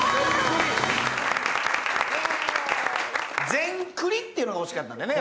「全クリ」っていうのが欲しかったんでね